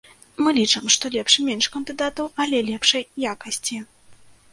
Мы лічым, што лепш менш кандыдатаў, але лепшай якасці.